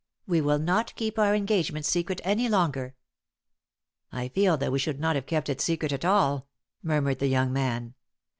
We will not keep our engagement secret any longer." "I feel that we should not have kept it secret at all," murmured the young man.